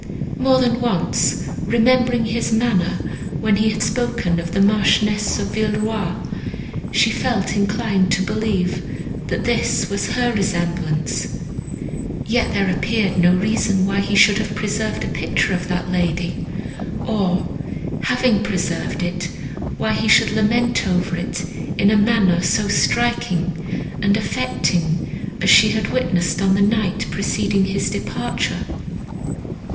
More than once remembering his manner, when he had spoken of the Marchioness of Villeroi, she felt inclined to believe that this was her resemblance; yet there appeared no reason why he should have preserved a picture of that lady, or, having preserved it, why he should lament over it in a manner so striking and affecting as she had witnessed on the night preceding his departure.